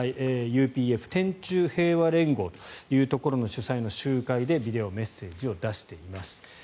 ＵＰＦ・天宙平和連合というところの主催の集会でビデオメッセージを出しています。